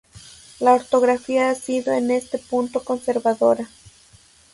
La ortografía ha sido en este punto conservadora.